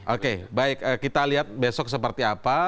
oke baik kita lihat besok seperti apa